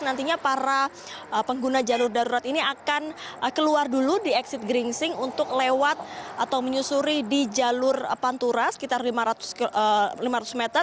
nantinya para pengguna jalur darurat ini akan keluar dulu di exit geringsing untuk lewat atau menyusuri di jalur pantura sekitar lima ratus meter